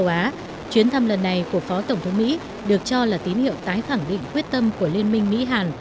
chuyến thăm lần này của phó tổng thống mỹ được cho là tín hiệu tái khẳng định quyết tâm của liên minh mỹ hàn